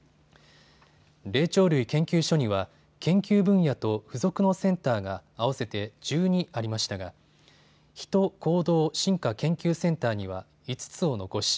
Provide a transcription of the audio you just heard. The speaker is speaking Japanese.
霊長類研究所には研究分野と付属のセンターが合わせて１２ありましたが、ヒト行動進化研究センターには５つを残し